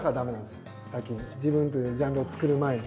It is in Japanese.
自分というジャンルを作る前に。